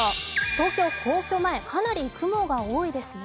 東京・皇居前、かなり雲が多いですね。